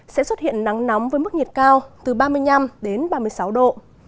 sẽ xuất hiện nắng nóng với mức nhiệt cao từ ba mươi năm đến ba mươi sáu độ